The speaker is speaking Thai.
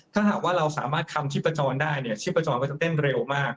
ถ้าหากว่าเราสามารถคำชิบประจองได้ชิบประจองก็จะเต้นเร็วมาก